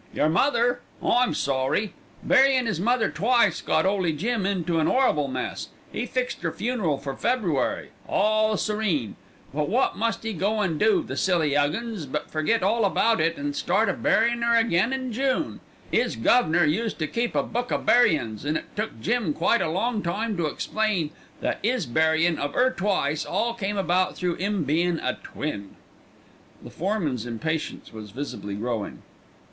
"Yer mother? I'm sorry. Buryin' 'is mother twice got 'Oly Jim into an 'orrible mess. He fixed 'er funeral for February all serene; but wot must he go an' do, the silly 'Uggins, but forget all about it and start a buryin' of 'er again in June. 'Is guv'nor used to keep a book o' buryin's, and it took Jim quite a long time to explain that 'is buryin' of 'er twice all come about through 'im bein' a twin." The foreman's impatience was visibly growing.